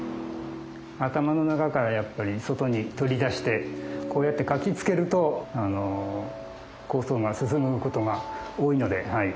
頭の中からやっぱり外に取り出してこうやって書きつけると構想が進むことが多いので。